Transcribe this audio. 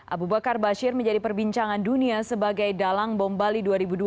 abu bakar bashir menjadi perbincangan dunia sebagai dalang bom bali dua ribu dua puluh